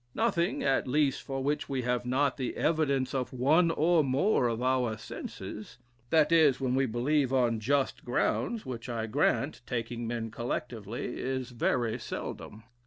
"Nothing, at least, for which we have not the evidence of one or more of our senses; that is, when we believe on just grounds, which I grant, taking men collectively, is very seldom."